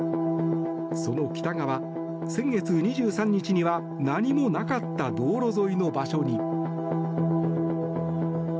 その北側先月２３日には何もなかった道路沿いの場所に。